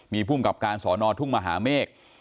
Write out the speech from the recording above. มีภูมิกับการสอนอทุ่งมหาเมฆ